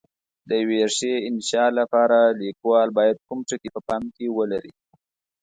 د یوې ښې انشأ لپاره لیکوال باید کوم ټکي په پام کې ولري؟